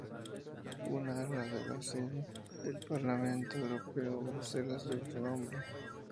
Un ala de la sede del Parlamento Europeo en Bruselas lleva su nombre.